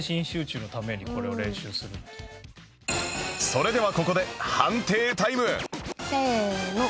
それではここで判定タイムせーの！